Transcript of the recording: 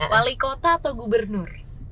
wali kota atau gubernur